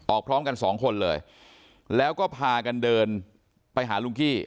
พร้อมกันสองคนเลยแล้วก็พากันเดินไปหาลุงกี้